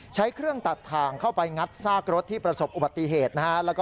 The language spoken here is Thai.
ใช้เครื่องตัดถ่างเข้าไปงัดซากรถที่ประสบอุบัติเหตุนะฮะ